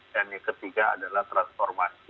dan yang ketiga adalah transformasi